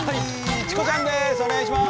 チコちゃんです